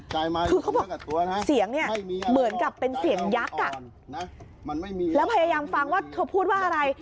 คือเขาบอกเสียงเนี่ยเหมือนกับเป็นเสียงยักษ์อ่ะมันไม่มีแล้วพยายามฟังว่าเธอพูดว่าอะไร